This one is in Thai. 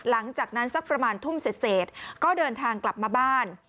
หลังจากนั้นสักประมาณทุ่มเสร็จก็เดินทางกลับมาบ้าน